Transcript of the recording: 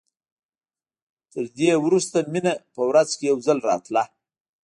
تر دې وروسته مينه په ورځ کښې يو ځل راتله.